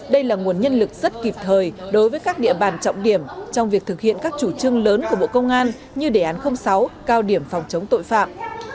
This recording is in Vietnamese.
đây là nguồn nhân lực rất kịp thời đối với các địa bàn trọng điểm trong việc thực hiện các chủ trương lớn của bộ công an như đề án sáu cao điểm phòng chống tội phạm